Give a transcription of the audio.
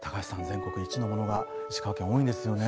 全国１位のものが石川県多いんですよね。